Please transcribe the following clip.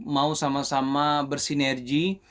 mau sama sama bersinergi